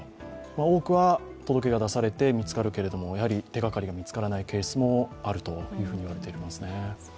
多くは届けが出されて見つかるけれども、やはり手がかりが見つからないケースもあると。